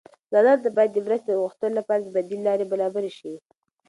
ځوانانو ته باید د مرستې غوښتلو لپاره بدیل لارې برابرې شي.